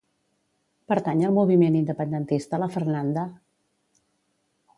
Pertany al moviment independentista la Fernanda?